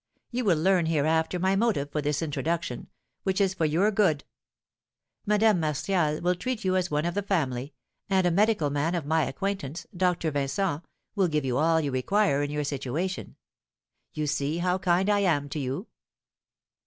You will learn hereafter my motive for this introduction, which is for your good. Madame Martial will treat you as one of the family, and a medical man of my acquaintance, Dr. Vincent, will give you all you require in your situation. You see how kind I am to you!'"